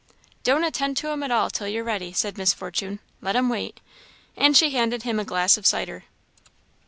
"Don't attend to 'em at all till you're ready," said Miss Fortune "let 'em wait." And she handed him a glass of cider.